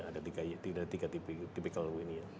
ada tiga tipik typical bu ini ya